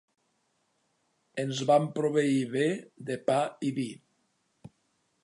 Ens vam proveir bé de pa i vi.